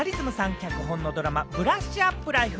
脚本のドラマ『ブラッシュアップライフ』。